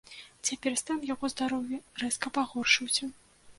Цяпер стан яго здароўя рэзка пагоршыўся.